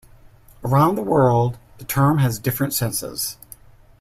Around the world, the term has different senses.